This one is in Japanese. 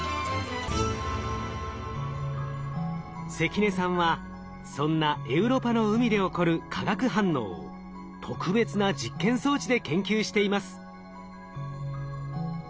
関根さんはそんなエウロパの海で起こる化学反応を特別な実験装置で研究しています。